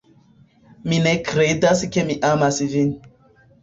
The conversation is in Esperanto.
Mi ne kredas ke mi amas vin.